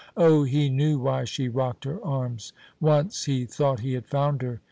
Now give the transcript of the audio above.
Oh, he knew why she rocked her arms! Once he thought he had found her.